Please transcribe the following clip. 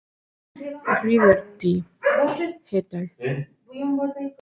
Reeder T. "et al.